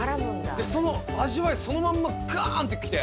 でその味わいそのまんまガーンってきて。